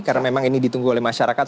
undang undang ini ditunggu oleh masyarakat